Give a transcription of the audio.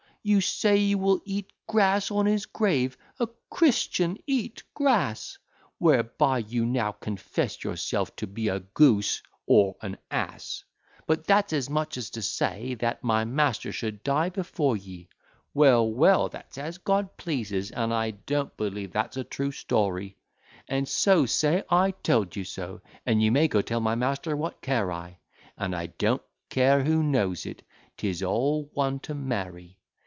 You say you will eat grass on his grave: a Christian eat grass! Whereby you now confess yourself to be a goose or an ass: But that's as much as to say, that my master should die before ye; Well, well, that's as God pleases; and I don't believe that's a true story: And so say I told you so, and you may go tell my master; what care I? And I don't care who knows it; 'tis all one to Mary.